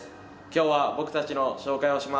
今日は僕たちの紹介をします。